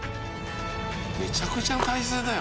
「めちゃくちゃな体勢だよ」